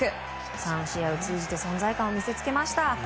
３試合を通じて存在感を見せつけました。